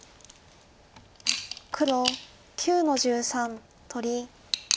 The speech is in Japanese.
黒９の十三取り。